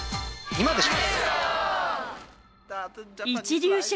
今でしょ！